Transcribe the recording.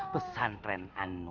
pesan tren anu